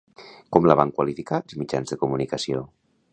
Com la van qualificar els mitjans de comunicació?